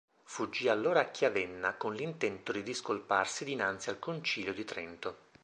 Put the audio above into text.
Fuggì allora a Chiavenna con l'intento di discolparsi dinanzi al Concilio di Trento.